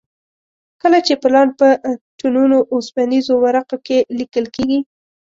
کله چې پلان په ټنونو اوسپنیزو ورقو کې لیکل کېږي.